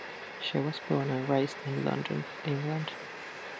She was born and raised in London, England.